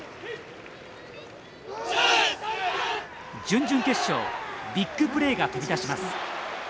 準々決勝ビッグプレーが飛び出します。